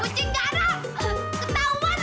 kucing gak ada